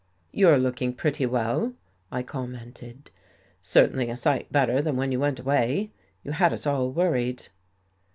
" You're looking pretty well," I commented, " certainly a sight better than when you went away. You had us all worried."